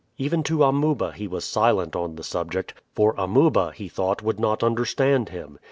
Even to Amuba he was silent on the subject, for Amuba he thought would not understand him.